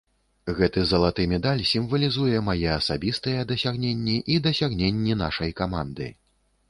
Гэты залаты медаль сімвалізуе мае асабістыя дасягненні і дасягненні нашай каманды.